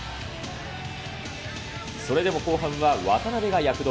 それでも後半は渡邊が躍動。